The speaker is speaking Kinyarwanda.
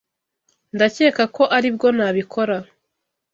Ndakeka ko aribwo nabikora.